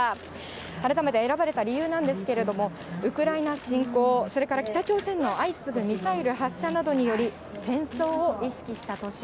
改めて選ばれた理由なんですけれども、ウクライナ侵攻、それから北朝鮮の相次ぐミサイル発射などにより、戦争を意識した年。